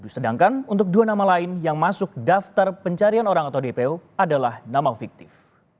sedangkan untuk dua nama lain yang masuk daftar pencarian orang atau dpo adalah nama fiktif